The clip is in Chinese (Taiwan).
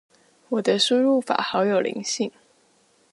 我的輸入法好有靈性